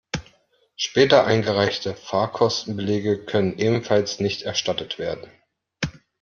Später eingereichte Fahrkostenbelege können ebenfalls nicht erstattet werden.